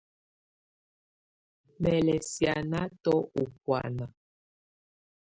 Mɛ lɛ sianatɔ u bùána.